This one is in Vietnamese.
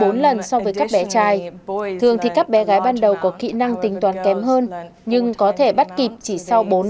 trẻ em học được nhiều hơn bốn lần so với các bé trai thường thì các bé gái ban đầu có kỹ năng tính toán kém hơn nhưng có thể bắt kịp chỉ sau bốn năm tháng